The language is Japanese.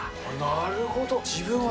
なるほど。